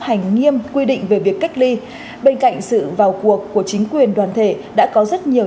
hành nghiêm quy định về việc cách ly bên cạnh sự vào cuộc của chính quyền đoàn thể đã có rất nhiều